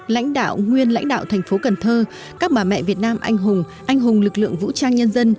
lãnh đạo nguyên lãnh đạo thành phố cần thơ các bà mẹ việt nam anh hùng anh hùng lực lượng vũ trang nhân dân